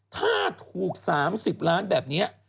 ถ้าถูก๓๐ล้านแบบนี้